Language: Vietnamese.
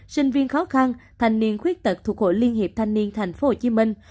sinh viên khó khăn thanh niên khuyết tật thuộc hội liên hiệp thanh niên thành phố hồ chí minh